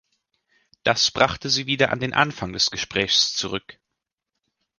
Das brachte sie wieder an den Anfang des Gesprächs zurück.